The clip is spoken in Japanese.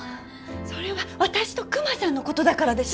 それは私とクマさんのことだからでしょ？